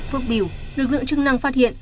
phước biểu lực lượng chức năng phát hiện